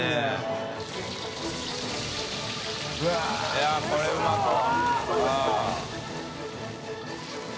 いやこれうまそう。